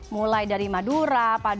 mulai dari madura